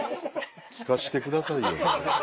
聴かせてくださいよ